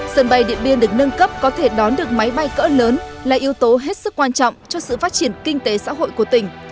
sân bay điện biên được nâng cấp có thể đón được máy bay cỡ lớn là yếu tố hết sức quan trọng cho sự phát triển kinh tế xã hội của tỉnh